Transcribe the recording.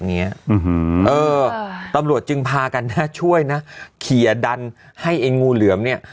เออตำรวจจึงพากันนะช่วยนะเคลียร์ดันให้ไอ้งูเหลือมเนี่ย